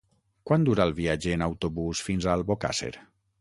Quant dura el viatge en autobús fins a Albocàsser?